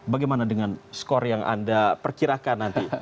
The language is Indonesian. bagaimana dengan skor yang anda perkirakan nanti